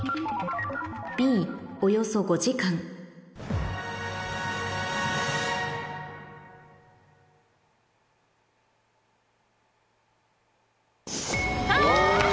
Ｂおよそ５時間あ！